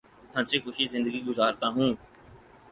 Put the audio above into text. ہنسی خوشی زندگی گزارتا ہوں